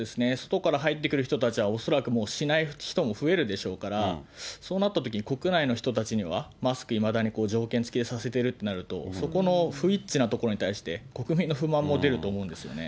外から入ってくる人たちは、恐らくもうしない人も増えるでしょうから、そうなったときに、国内の人たちにはマスクいまだに条件付きでさせてるってなると、そこの不一致なところに対して国民の不満も出ると思うんですよね。